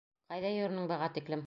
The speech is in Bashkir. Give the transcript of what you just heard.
Ҡайҙа йөрөнөң быға тиклем?